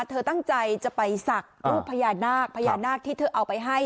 เธอตั้งใจจะไปศักดิ์รูปพญานาคพญานาคที่เธอเอาไปให้